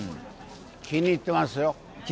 気に入ってますよ。